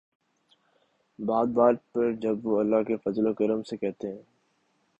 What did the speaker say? بات بات پر جب وہ'اللہ کے فضل و کرم سے‘ کہتے ہیں۔